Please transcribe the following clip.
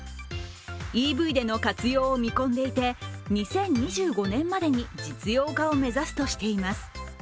ＥＶでの活用を見込んでいて２０２５年までに実用化を目指すとしています。